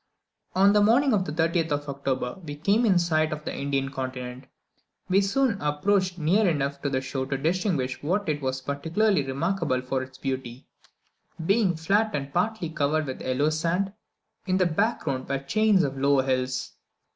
On the morning of the 30th of October we came in sight of the Indian continent. We soon approached near enough to the shore to distinguish that it was particularly remarkable for its beauty, being flat and partly covered with yellow sand; in the back ground were chains of low hills.